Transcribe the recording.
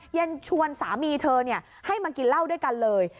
ยังชวนสามีเธอให้มากินเหล้าด้วยกันเลย